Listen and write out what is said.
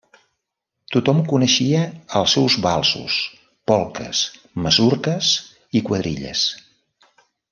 Tothom coneixia els seus valsos, polques, masurques i quadrilles.